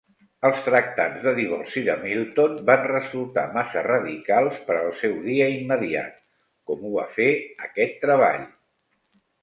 Els tractats de divorci de Milton van resultar massa radicals per al seu dia immediat, com ho va fer aquest treball.